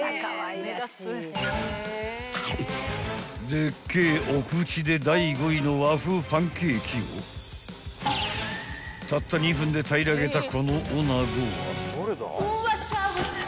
［でっけえお口で第５位の和風パンケーキをたった２分で平らげたこのおなごは］